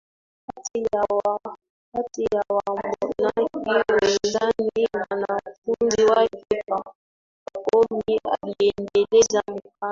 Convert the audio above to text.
kati ya wamonaki wenzake Mwanafunzi wake Pakomi aliendeleza mkazo